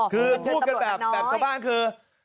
คือพูดกันแบบชาวบ้านคือ